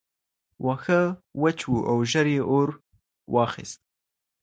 واښه وچ وو او ژر یې اور واخیست.